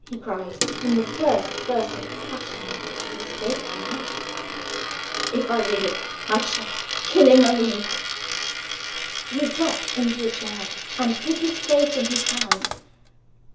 he cried, in the first burst of passion which had escaped him yet. "If I read it, I shall kill him when we meet." He dropped into a chair, and hid his face in his hands.